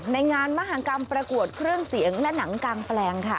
ในงานมหากรรมประกวดเครื่องเสียงและหนังกางแปลงค่ะ